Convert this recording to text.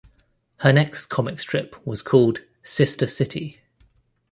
Her next comic strip was called Sister City.